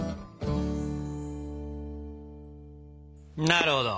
なるほど。